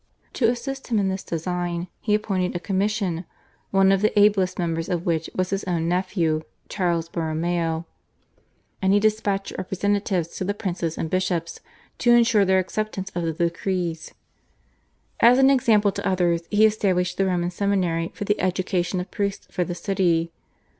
To assist him in this design he appointed a commission, one of the ablest members of which was his own nephew, Charles Borromeo, and he despatched representatives to the princes and bishops to ensure their acceptance of the decrees. As an example to others he established the Roman Seminary for the education of priests for the city.